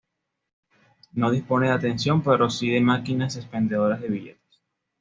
No dispone de atención pero sí de máquinas expendedoras de billetes.